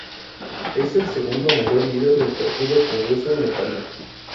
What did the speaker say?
Él es el segundo mayor líder del partido Congreso Nepalí.